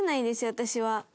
私は。